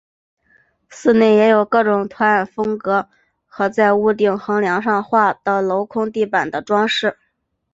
寺内也有各种图案风格和在屋顶横梁上画的镂空地板的装饰。